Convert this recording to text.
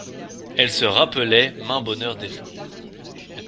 Elles se rappelaient maint bonheur défunt.